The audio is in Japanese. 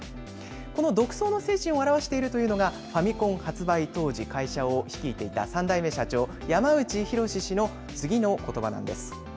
この独創の精神を表しているというのがファミコン発売当時会社を率いていた３代目社長、山内溥氏のことばです。